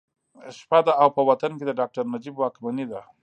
شپه ده او په وطن کې د ډاکټر نجیب واکمني ده